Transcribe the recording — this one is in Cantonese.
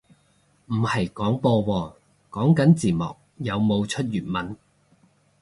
唔係廣播喎，講緊字幕有冇出粵文